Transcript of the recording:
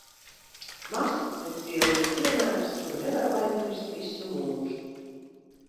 Mazs, bet spilgts piemērs, kuru nevaru aizmirst visu mūžu.